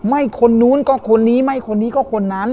ไม่คนนู้นก็คนนี้ไม่คนนี้ก็คนนั้น